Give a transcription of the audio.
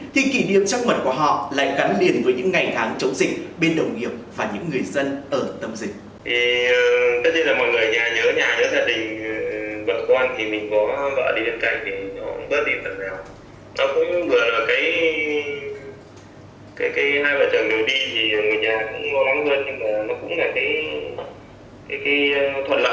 thì kỷ niệm trăng mật của họ lại gắn liền với những ngày tháng chống dịch bên đồng nghiệp và những người dân ở tâm dịch